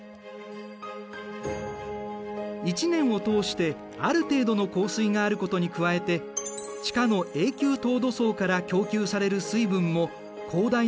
一年を通してある程度の降水があることに加えて地下の永久凍土層から供給される水分も広大な森林を支えている。